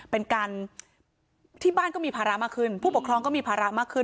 เป็นการที่บ้านก็มีภาระมากขึ้นผู้ปกครองก็มีภาระมากขึ้น